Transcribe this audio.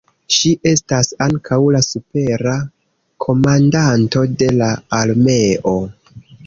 Ŝi estas ankaŭ la supera komandanto de la armeo.